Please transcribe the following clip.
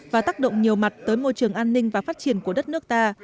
và tác động nhiều mặt tới môi trường an ninh và phát triển của đất nước ta